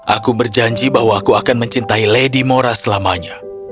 aku berjanji bahwa aku akan mencintai lady mora selamanya